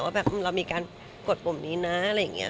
แบบเรามีการกดปุ่มนี้นะอะไรอย่างนี้